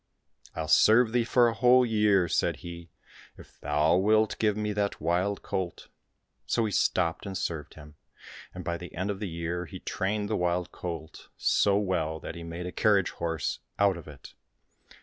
" I'll serve thee for a whole year," said he, "if thou wilt give me that wild colt." So he stopped and served him, and by the end of the year he trained the wild colt so well that he made a carriage horse out of it.